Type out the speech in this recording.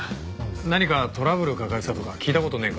何かトラブルを抱えてたとか聞いた事ねえか？